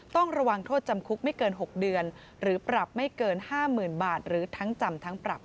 ต้องระวังโทษจำคุกไม่เกิน๖เดือนหรือปรับไม่เกิน๕๐๐๐บาทหรือทั้งจำทั้งปรับ